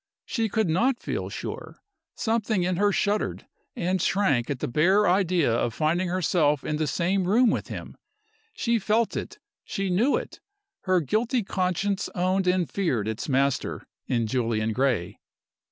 She could not feel sure. Something in her shuddered and shrank at the bare idea of finding herself in the same room with him. She felt it, she knew it: her guilty conscience owned and feared its master in Julian Gray!